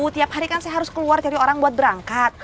tiap hari kan saya harus keluar cari orang buat berangkat